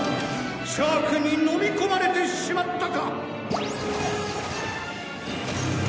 「シャークにのみ込まれてしまったか」